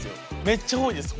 めっちゃ多いです